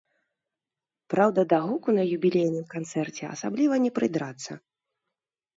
Праўда, да гуку на юбілейным канцэрце асабліва не прыдрацца.